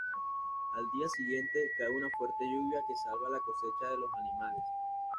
Al día siguiente, cae una fuerte lluvia que salva la cosecha y los animales.